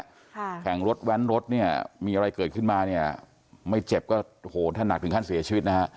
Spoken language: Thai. แข่งรถแว้นรถเนี่ยมีอะไรเกิดขึ้นมาเนี่ยไม่เจ็บก็โหถ้าหนักถึงขั้นเสียชีวิตนะฮะ